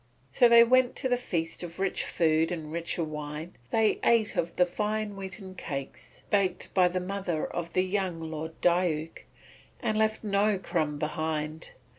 So they went to the feast of rich food and richer wine, and they ate of the fine wheaten cakes baked by the mother of the young Lord Diuk, and left no crumb behind.